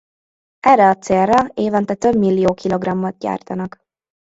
Erre a célra évente több millió kilogrammot gyártanak.